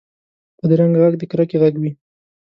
بدرنګه غږ د کرکې غږ وي